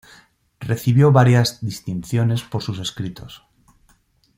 Recibió varias distinciones por sus escritos.